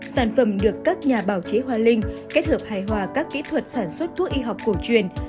sản phẩm được các nhà báo chế hoa linh kết hợp hài hòa các kỹ thuật sản xuất thuốc y học cổ truyền